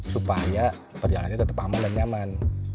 supaya perjalanannya tetap aman dan nyaman